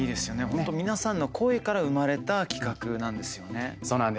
本当、皆さんの声から生まれた企画なんですよね。